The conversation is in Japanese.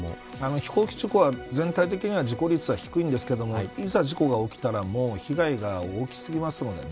飛行機事故は全体的な事故率は低いんですけどいざ事故が起きたら被害が大き過ぎますのでね。